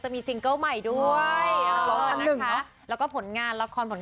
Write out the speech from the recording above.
ไมค์พัฒนาเดช